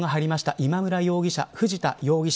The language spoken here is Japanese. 今村容疑者、藤田容疑者